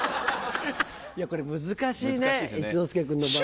これ難しいね一之輔君の場合は。